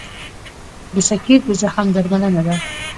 د سکېر د زخم درملنه ده.